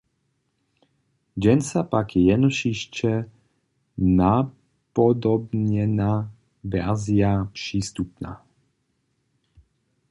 Dźensa pak je jenož hišće napodobnjena wersija přistupna.